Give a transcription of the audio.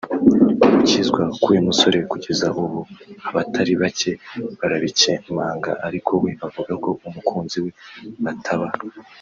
Gukizwa k’uyu musore kugeza ubu abatari bacye barabikemanga ariko we avuga ko umukunzi we bataba